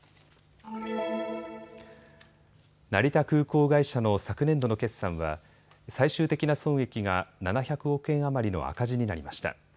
成田空港会社の昨年度の決算は最終的な損益が７００億円余りの赤字になりました。